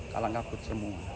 kalang kabut semua